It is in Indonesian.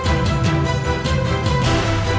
saya akan menjaga kebenaran raden